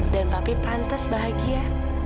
dan papi pantes bahagia